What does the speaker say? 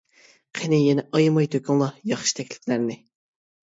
قېنى يەنە ئايىماي تۆكۈڭلار ياخشى تەكلىپلەرنى.